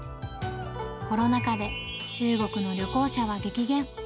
コロナ禍で中国の旅行者は激減。